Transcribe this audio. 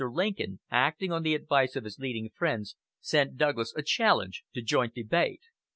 Lincoln, acting on the advice of his leading friends, sent Douglas a challenge to joint debate.